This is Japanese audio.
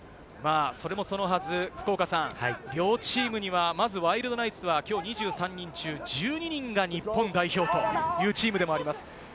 それもそのはず、福岡さん、両チームにはまずワイルドナイツは今日２３人中１２人が日本代表というチームでもあります。